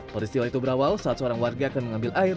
peristiwa itu berawal saat seorang warga akan mengambil air